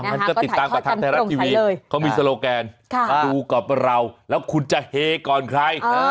มันก็ติดตามกับทางไทยรัฐทีวีเขามีโซโลแกนดูกับเราแล้วคุณจะเฮก่อนใคร